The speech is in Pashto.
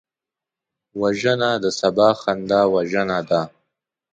وژنه د سبا خندا وژنه ده